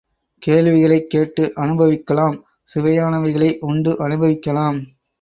கேள்விகளை கேட்டு அனுபவிக்கலாம், சுவையானவைகளை உண்டு அனுபவிக்கலாம்.